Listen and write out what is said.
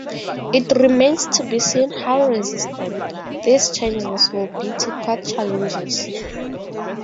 It remains to be seen how resistant these changes will be to court challenges.